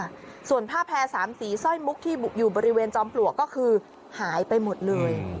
ค่ะส่วนผ้าแพร่สามสีสร้อยมุกที่อยู่บริเวณจอมปลวกก็คือหายไปหมดเลย